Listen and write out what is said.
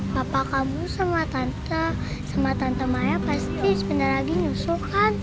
papa kamu sama tante sama tantenya pasti sebentar lagi nyusul kan